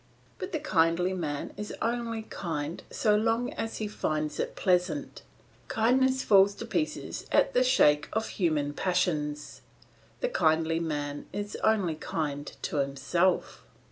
But the kindly man is only kind so long as he finds it pleasant; kindness falls to pieces at the shook of human passions; the kindly man is only kind to himself.